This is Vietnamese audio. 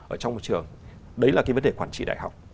ở trong trường đấy là vấn đề quản trị đại học